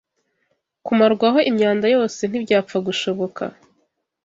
kumarwaho imyanda yose ntibyapfa gushoboka